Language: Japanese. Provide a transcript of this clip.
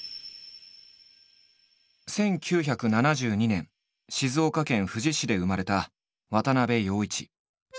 １９７２年静岡県富士市で生まれた渡部陽一。